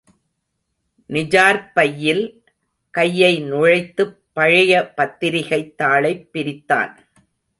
நிஜார்ப்பையில் கையை நுழைத்துப் பழைய பத்திரிகைத்தாளைப் பிரித்தான்.